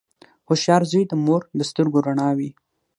• هوښیار زوی د مور د سترګو رڼا وي.